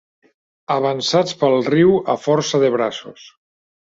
Avançats pel riu a força de braços.